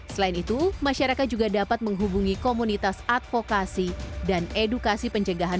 selain itu masyarakat juga dapat menghubungi komunitas advokasi dan edukasi pencegahan